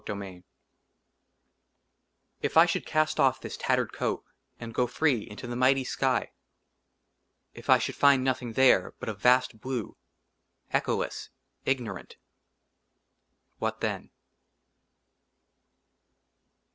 i \ 72 ^ 1 LXVI IF I SHOULD CAST OFF THIS TATTERED COAT, AND GO FREE INTO THE MIGHTY SKY ; IF I SHOULD FIND NOTHING THERE BUT A VAST BLUE, ECHOLES8, IGNORANT, WHAT THEN